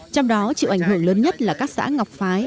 trong đó chịu ảnh hưởng lớn nhất là các xã ngọc phái